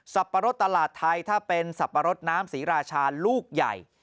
สัปรัสตลาดไทยถ้าเป็นสัปรัสน้ำสีราชาลูกใหญ่